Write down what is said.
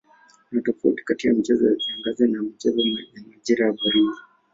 Kuna tofauti kati ya michezo ya kiangazi na michezo ya majira ya baridi.